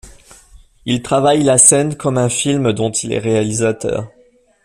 Il travaille la scène comme un film dont il est réalisateur.